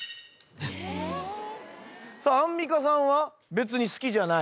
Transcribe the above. さあアンミカさんは別に好きじゃない。